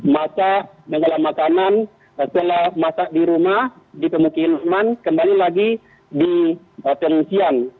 masak dengan makanan setelah masak di rumah di pemukiman kembali lagi di penelusuran